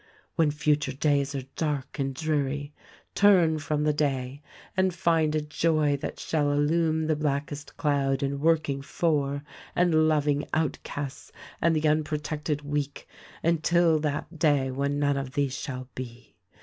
"When future days are dark and dreary turn from the day and find a joy that shall illume the blackest cloud in working for and loving outcasts and the unprotected weak, until that day when none of these shall be.